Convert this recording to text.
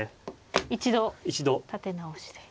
一度立て直して。